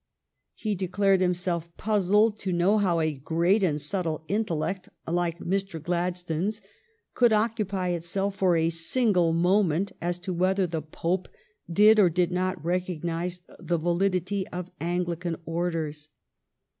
He declared himself puzzled to know how a great and subtle intellect like Mr. Gladstone's could oc cupy itself for a single moment as to whether the Pope did or did not recognize the validity of Angli can orders.